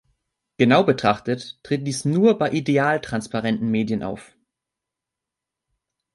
Genau betrachtet tritt dies nur bei ideal transparenten Medien auf.